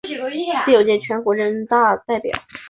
第九届全国人大代表。